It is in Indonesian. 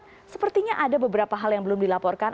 jika melihat sepertinya ada beberapa hal yang belum dilaporkan